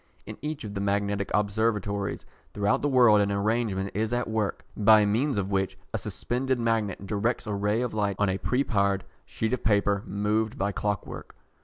In each of the magnetic observatories throughout the world an arrangement is at work, by means of which a suspended magnet directs a ray of light on a preparred sheet of paper moved by clockwork.